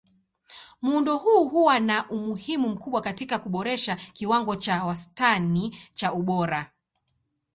Muundo huu huwa na umuhimu mkubwa katika kuboresha kiwango cha wastani cha ubora.